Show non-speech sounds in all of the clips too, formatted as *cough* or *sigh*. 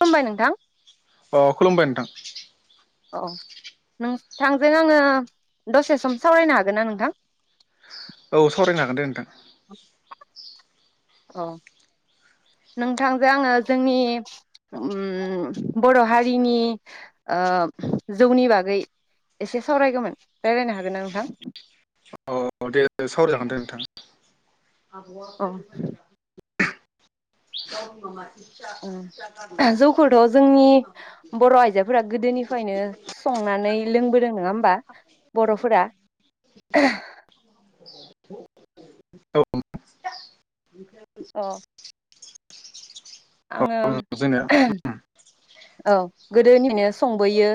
खुलुमबाय नोंथां अ खुलुमबाय। *inaudible* औ न थांजों आङो दसे सम सावरायनो हागोन ना नोंथां। औ सावरायनो हागोन दे नोंथां। अ नोंथांजों आङो जोंनि बर हारिनि जौनि बागै एसे सावरायगौमोन रायलायनो हागोनना नोंथां? औ दे सावराय जागोन दे नोंथां। औ *inaudible* *inaudible* ओ जौखौथ जोंनि बर'आइजोफोरा गोदोनिफ्रायनो संनानै लोंबोदों नङा होमबा बर'फोरा। *inaudible* *inaudible* अ *inaudible* आङो औ जोंनिया औ गो दोनिफायनो संबोयो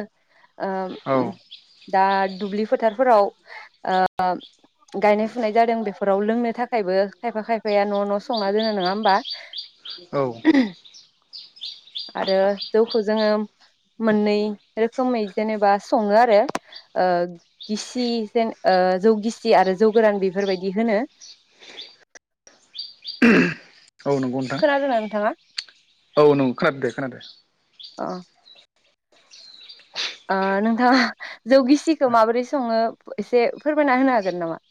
औ ओम दा दुब्लि फोथारफोराव ओ गायनाय फुनाय जादों बेफोराव लोंनो थाखायबो खायफा खायफाया न' न' संना दोनो नङा होमबा? औ। आरो जौखौ जोङो मोननै रोखोमै जेनेबा सङो आरो ओ गिसि जेन ओ जौ गिसि आरो जौ गोरान बेफोर बायदि होनो। औ नंगौ नोंथां खोनादोंना नोंथाङा? औ नंगौ खोनादो दे खोनादो। अ ओ नोंथाङा जौ गिसिखौ माबोरै सङो एसे फोरमायना होनो हागोन नामा?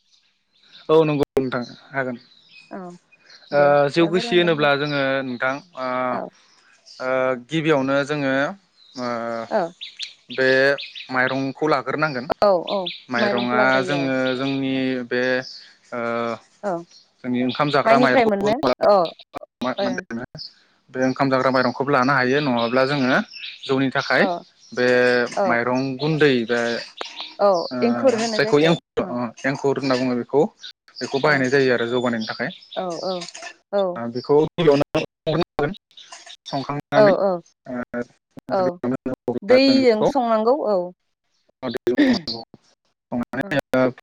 औ नंगौ नोंथां हागोन। औ ओ दे जौ दे गिसि फोरमायना होदो होनोब्ला जोङो नोंथां ओ औ ओ गिबियावनो जोङो ओ औ बे माइरं खौ लाग्रोनांगोन औ औ माइरंखौ माइरङा लाग्रोयो औ जोङो जोंनि बे *inaudible* औ जोंनि ओंखाम जाग्रा माइनिफ्राय माइरंखौ मोननो अ। *unintelligible* बे ओंखाम जाग्रा माइरंखौबो लानो हायो नङाब्ला जोङो जौनि थाखाय औ बे औ माइरं गुन्दै बे औ ओ एंखुर होनो जायखौ औ एंखु-एंखुर होनना बुङो बेखौ। बेखौ औ बाहायनाय जायो आरो जौ बानायनो थाखाय। औ औ औ आ बेखौ *unintelligible* औ औ औ दैजों ओ संनांगौ औ ओ। *unintelligible*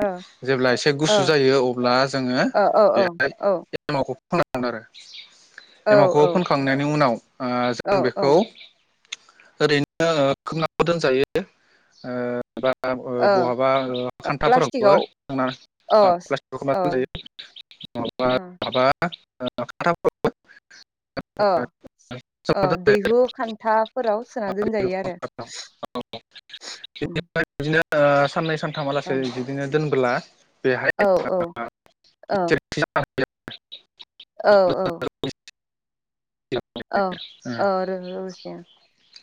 ओ जेब्ला एसे गुसु जायो अब्ला जोङो ओ औ औ बेहाय औ। *unintelligible* आरो। एमावखौ फोनखांनायनि उनाव ओ औ जों ओ बेखौ ओरैनो ओ खोबनाबो दोनजायो। ओ। प्लास्टिकआव *unintelligible* ओ नङाबा ओ । *unintelligible* ओ ओै सोमना दैहु खान्थाफोराव सोना दोनजायो आरो उम । बिदिनो साननै सान खामालासेै बिदिनो दोनब्ला औ। *unintelligible* औ औ। औ औ रोहोसे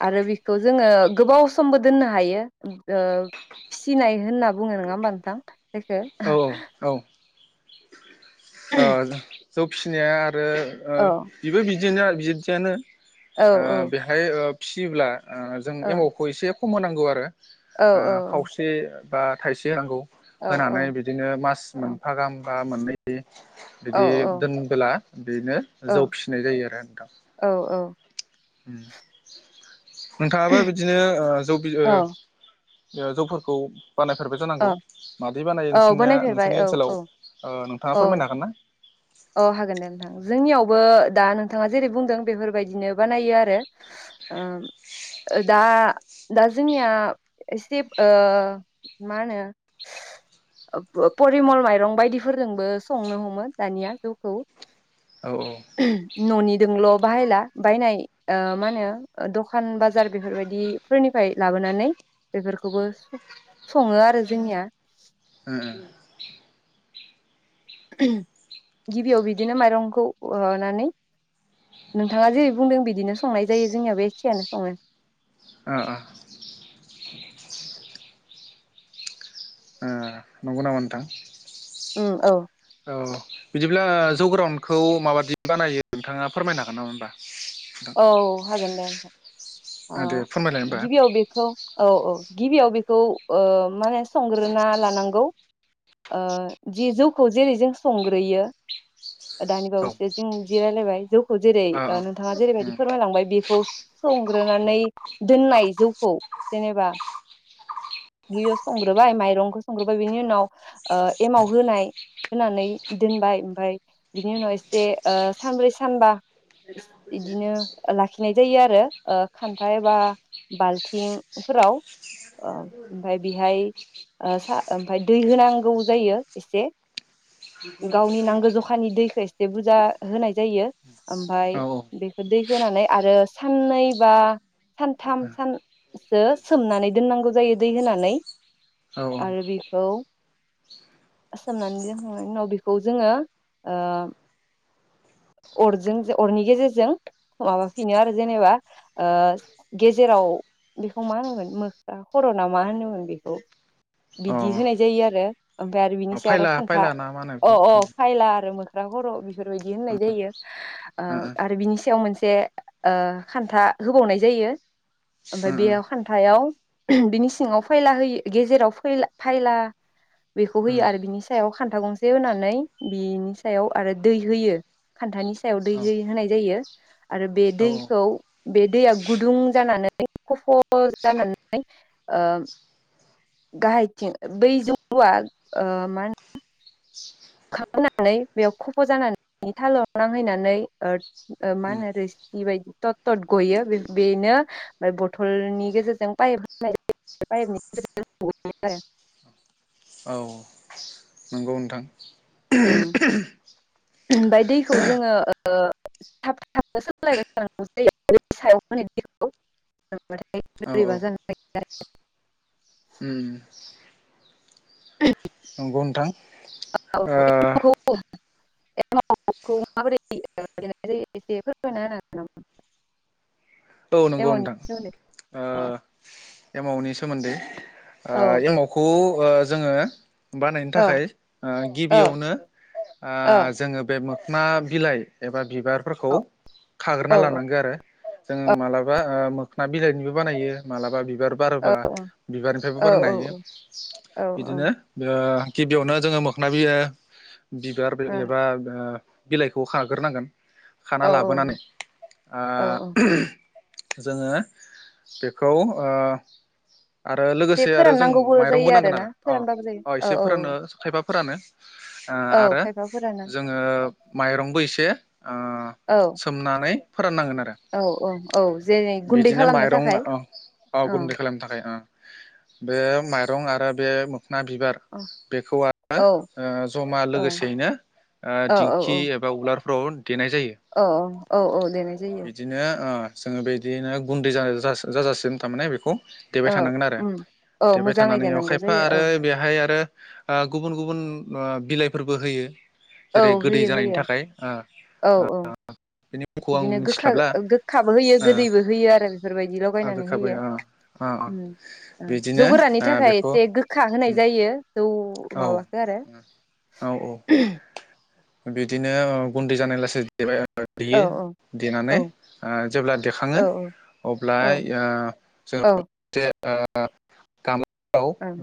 आरो बिखौ जोंङो गोबाव समबो दोननो हायो उम ओ फिसिनाय होनना बुङो नङा होमबा नोंथां? जायखौ औ औ औ। औ। जौ फिसिनाया आ ओ ओ औ बेबो बि बिदिनो बिबदियानो औ ओ बेहाय ओ फिसियोब्ला ओ जों औ एमावखौ एसे खम होनांगौ आरो औ ओ खावसे बा थाइसे नांगौ औ होनानै बिदिनो मास औ मोनफा गाहाम बा मोनै बिदि दोनबोला बेनो औ जौ फिसिनाय जायो आरो नोंथां। औ ह *inaudible* नोंथाङाबो बिदिनो जौ बियो बियो जौफोरखौ बानायफेरबाय जानांगौ औ मादि बानायो औ नोंसनिया बानायफेरबाय नोंसोरनि औ ओनसोलाव औ फोरमायनो औ हागोन गोन ना? औ हागोन दे नोंथां जोंनियावबो दा नोंथाङा जेरै बुंदों बेफोरबायदिनो बानायो आरो द दा जोंनिया एसे मा होनो परिमल माइरं बायदिफोरजोंबो संनो हमो दानिया। जौखौ औ औ ननिजोंलक्षबाहायला बायनाय मा होनो दखान बाजार बेफोरबायदि फोरनिफ्राय लाबोनानै बेफोरखौबो सङो आरो जोंनिया। गिबियाव बिदिनो माइरंखौ हनानै नोंथाङा जेरै बुंदों बिदिनो संनाय जायो जोंनिययावाबो एखेयानो सङो। ओ नंगौ नामा नोंथां ओम औ औ बिदिब्ला जौग्रनखौ माबादि बानायो नोंथाङा फोरमायनो हागोन नामा होनबा? औ हागोन दे ओ दे फोरमायलाय होमबा गिबियाव बेखौ औ औ गिबियाव बेखौ माने संग्रोना लानांगौ जि जौखौ जेरै जों संग्रोयो दानि औ बावैसो जों जि रायलायबाय जौखौ। जेरै औ नोंथाङा जेरै बायदि बि फोरमायलांबाय बेखौ संग्रोनानै दोननाय जौखौ जेनेबा बेयाव संग्रोबाय माइरंखौ संग्रोबाय बिनि उनाव एमाव होनाय होनानै दोनबाय ओमफफ्राय बिनि उनाव एसे सानब्रै सानबा बिदिनो लाखिनाय जायो आरो खान्थाइ बा बाल्थिंफोराव ओमाय बेहाय ओमफ्राय दै होनांगौ जायो एसे गावनि नांगौ जखानि दैखौ एसे बुरजा होनाय जायो ओमफफ्राय बेखौ दै होनानै आरो साननै बा सानथाम सानसो सोमनानै दोननांगौ जायो दै होनानै औ आरो बेखौ सोमनानै दोनांनायनि उनाव बेखौ जोङो अरजों अरनि गेजेरजों माबाफिनो आरो जेनेबा गेजेराव बेखौ मा होनोमोन मोखारा खर नामा होनोमोन बेखौ औ बिदि होनाय जायो आरो ओमफ्राय आरो अ बिनिसो आरो फायला खान्था फायला ना मा होनो अ बेखौ उम अ फायला आरो मोखां रा खर बेफोरबायदि होननाय जायो ओ आरो बिनि सायाव मोनसे खान्था होबावनाय जायो ओमफ्राय ओ बेयाव ओ खान्थाव बिनि सिङाव फायला होयो गेजेराव फायला बेखौ होयो आरो बिनि सायाव खान्था गंसे होनानै बिनि सायाव आरो दै होयो खान्थानि सायाव दै औ होनाय जायो। आरो बे औ दैखौ बे दैया गुदुं जानानै खफ जानानै गाहायथिं बै जौलुआ मा होनो खाबु होनानै बेयाव खफ जानानै थालाव नांहैनानै मा उम होनो रो सि बायदि थट थट गयो बेनो बथलनि गेजेरजों पाइप होनाय पाइपनियो औ नंगौ नोंथां उ ओमफ्राय दैखौ जोङो थाब थाबनो सोमलायबाय थानांगौ जायो सायाव होनाय दैखौाथाय औ औ बोरैबा जानो उम नंगौ नोंथां *unintelligible* औ नंगौ हागोन नामा लेमननि नोंथां सोमोन्दै औ एमाउनि सोमोन्दै आ ओ एमावखौ बा जोङो बानायनो ओ थाखाय ओ ओ गिबियावनो ओ औ जोङो बे मो ना बिलाइ एबा बिबारफोरखौ खाग्रोना औ लानांगो आरो जोङो मालाबा ओ मोखना बिलाइनिबो बानायो मालाबा बिबार बारोबा बिबारनिफ्रायबो औ बारनो हायो औ बिदिनो *unintelligible* गिबियावनो जोङो मोखना बियो बिबार बो एबा ओ बिलाइखौ खाग्रोनांगोन। खाना औ लाबोनानै औ औ ओ जोङो बेखौ ओ *unintelligible* आरो जे लोगोसे आरो जों फोराननांगौबो माइरंबो जायो नांगोन आरोना आरो अ फोरानबाबो जायो अ औ एसे औ फोरानोनो खायफा फोरानो ओ औ औ आरो खायफा फोरानो जोङो माइरंबो एसे ओ औ सोमनानै फोराननांगोन आरो औ औ औ जेरै गुन्दै बिदिनो खालामनो माइरं थाखाय ओ औ गुन्दै खालामनो थाखाय ओ बे माइरं आरो बे ना बिबार औ बेखौ आरो औ ओ जमा औ लोगोसेयैनो ओ औ दिंखि एबा उलार *unintelligible* औ औ औ औ देनाय जायो। बिदिनो ओ जोङो बिदिनो गुन्दै जा-जा-जाजासिगनो थामाने बेखौ देबाय औ थानांगोन आरो उम औ देबाय मोजाङै थानानै देनांगौ खायफा जायो औ आरो बेहाय आरो ओ गुबुन गुबुन ओ बिलाइफोरबो होयो। औ जेरै गोदै होयो जानायनि होयो थाखाय ओ औ औ ओ बिदिनो गोखा गोखाबो होयो ओ गोदैबो होयो आरो बेफोरबायदि आ लगायनानै गोखाबै होयो। ओ अ अ उम ओ जौ बिदिनो गोरानि ओ थाखाय बेखौ एसे गोखा होनाय उम जायो। थौ औ माबाखौ आरो औ औ बिदिनो ओ गुन्दै जानाय लासै *unintelligible* औ देयो औ देनानै ओ जेब्ला देखाङो औ अब्ला औ ओ जोङो औ *unintelligible* ओ *unintelligible* औ ओ ओं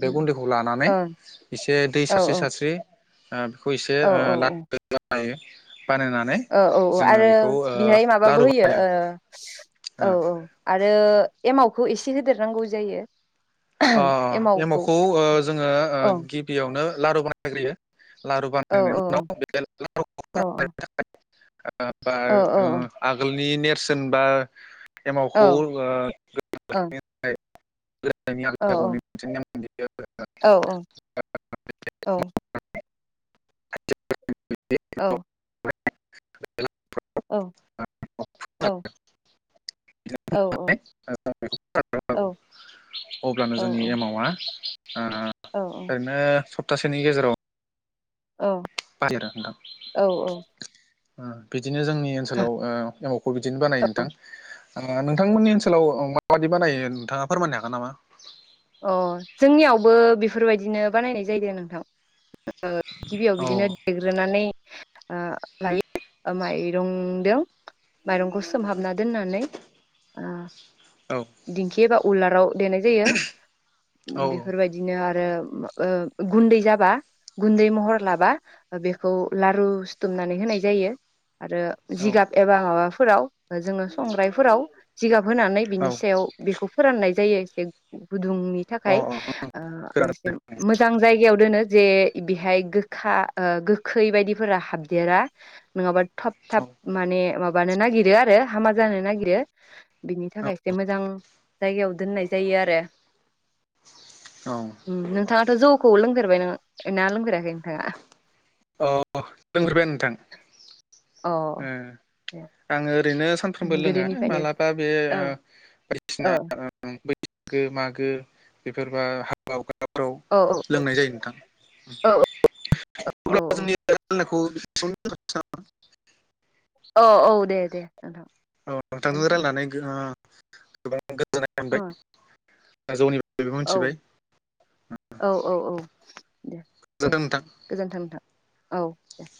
बे उम गुन्दैखौ लानानै ओं एसे दै औ सारस्रि सारस्रि ओ बेखौ एसे औ औ लाख *unintelligible* जायो। औ औ औ आरो बेहाय माबाबो लारु होयो बानायो औ औ आरो आरो एमावखौ एसे होदेरनांगौ जायो। एमावखौ जोङो ओं गिबियावनो लारु बानायग्रोयो लारु औ बानायनायनि औ उनाव बे लारुखौ *unintelligible* औ बानायनो थाखाय औ *inaudible* ओ आगोल नि नेरसोन बा औ एमावखौ ओ ओं दे औ औ औ औ *unintelligible* औ *unintelligible* औ *unintelligible* औ अब्लानो जोंनि एमावा नो ओरैनो सब सप्तासेनि गेजेराव औ औ औ अ बि बिदिनो जोंनि ओनसोलाव एमावखौ बिदिनो बानायो नोंथां नोंथांमोननि ओनसोलाव माबादि बानायो नोंथाङा फोरमायनो हागोन नामा? अ जोंनियावबो बेफोरबाय दिनो बानायनाय जायो नोंथां गिबियाव औ बिदिनो देग्रोनानै लायो माइरंजों माइरंखौ सोमहाबना दोननानै औ दिंखि बा उल्लार देनाय जायो औ बेफोरबायदिनो आरो गुन्दै जाबा गुन्दै महर लाबा बेखौ लारु सुथुमनानै होनाय जायो आरो जिगाब एबा माबा फोराव जोङो संग्रायफोराव जिगाब होनानै औ बिनि सायाव बेखौ फोराननाय जायो एसे गुदुंनि औ अ थाखाय अ ओ खोनादों मोनसे मोजां जायगायाव दोनो जे बेहाय गोखा गोखै बायदिफोरा हाबदेरा नङाबा थाब औ थाब माने मा माबानो नागिरो आरो हामा जानो नागिरो बिनि थाखायसो मोजां जायगायाव दोननाय जायो आरो औ ओम नोंथाङा। जौखौ लोंफेरबाय नोङो ना लोंफेराखै नोंथाङा। अ लोंफेरबाय नोंथां अ आङो ओरैनो। सानफ्रोमबो लोङा गोदोनिफ्रायनो मालाबा बे ओं औ बायदिसिना। बैसागो मागो बेफोरबा हाब। औ औ अब्ला औ। *unintelligible* औ औ दे दे नोंथां औ नोंथांजों दोनथ। रायलायनानै ओ गोबां गोजोननाय मोनबाय। जौनि। बागैबो मिथिबाय औ औ औ औ। दे दे गोजोनथों नोंथां। गोजोन्थों नोंथां। औ दे।